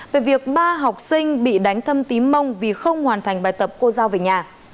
về việc ba học sinh bị đánh thâm tím mông vì không hoàn thành bài tập cô giao về nhà